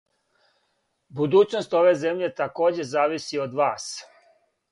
Будућност ове земље такође зависи од вас.